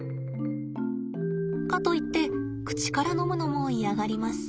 かと言って口からのむのも嫌がります。